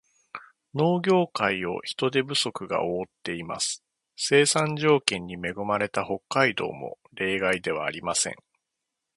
農業界を人手不足が覆っています。生産条件に恵まれた北海道も例外ではありません。